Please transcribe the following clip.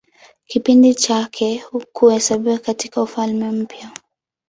Kipindi chake huhesabiwa katIka Ufalme Mpya.